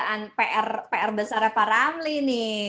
ini kan pekerjaan pr pr besarnya pak ramli nih